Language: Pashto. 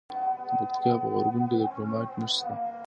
د پکتیکا په اورګون کې د کرومایټ نښې شته.